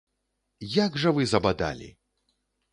Як жа вы забадалі!